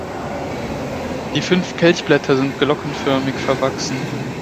Die fünf Kelchblätter sind glockenförmig verwachsen.